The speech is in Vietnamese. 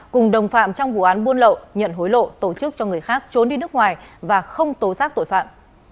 cùng đồng phạm trong vụ án buôn lậu nhận hối lộ tổ chức cho người khác trốn đi nước ngoài và không tố giác tội phạm